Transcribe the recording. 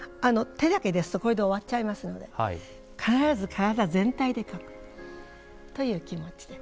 手だけですとこれで終わっちゃいますので必ず体全体で描くという気持ちで。